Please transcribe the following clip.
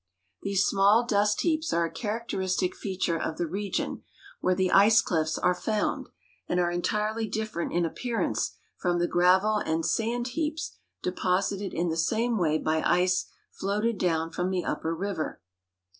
These small dust heaps are a characteristic feature' of the region where the ice cliffs are found and are entirely different in appearance from the gravel and sand heaps deposited in the same wa}'^ by ice floated down from the upper river.